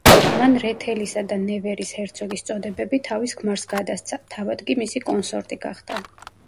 მან რეთელისა და ნევერის ჰერცოგის წოდებები თავის ქმარს გადასცა, თავად კი მისი კონსორტი გახდა.